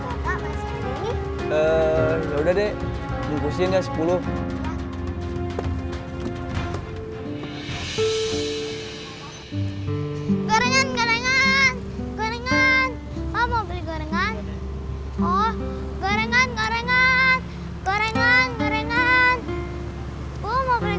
gorengan gorengan gorengan mau beli gorengan gorengan gorengan gorengan